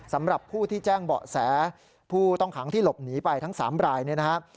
สำหรับผู้ที่แจ้งเบาะแสผู้ต้องขังที่หลบหนีไปทั้ง๓รายเนี่ยนะครับ